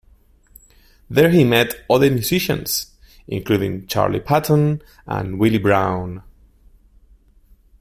There he met other musicians, including Charlie Patton and Willie Brown.